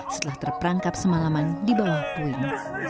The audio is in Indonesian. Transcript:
setelah terperangkap semalaman di bawah puing